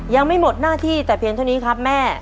ยังไม่หมดหน้าที่แต่เพียงเท่านี้ครับแม่